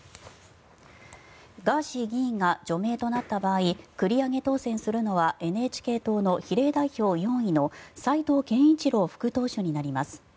ガーシー議員が除名となった場合繰り上げ当選するのはＮＨＫ党の比例代表４位の斉藤健一郎副党首になります。